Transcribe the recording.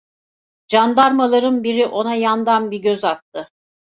Candarmaların biri ona yandan bir göz attı…